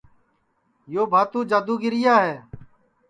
یو بھاتو جادو گیرا ہے